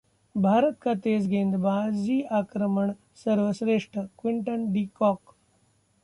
भारत का तेज गेंदबाजी आक्रमण सर्वश्रेष्ठ: क्विंटन डि कॉक